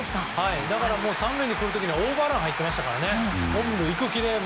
３塁に来る時にはオーバーランしてましたからね。